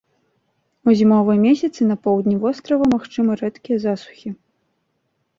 У зімовыя месяцы на поўдні вострава магчымы рэдкія засухі.